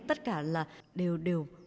tất cả là đều đều